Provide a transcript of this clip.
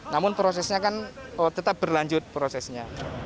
namun prosesnya kan tetap berlanjut prosesnya